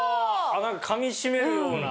なんか噛みしめるような。